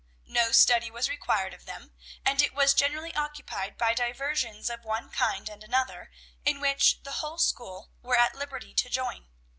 No study was required of them, and it was generally occupied by diversions of one kind and another, in which the whole school were at liberty to join.